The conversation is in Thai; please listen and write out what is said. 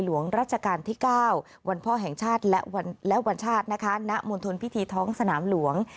วันพ่อแห่งชาติและวันชาติณมวลธนพิธีท้องสนามหลวง